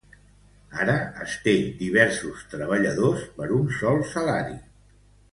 Ara, es té diversos treballadors per un sol salari.